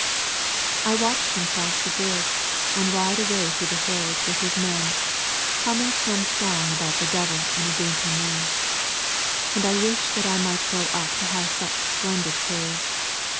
I watched him cross the bridge, and ride away through the Hills with his men, humming some song about the devil and a dainty maid, and I wished that I might grow up to have such splendid courage.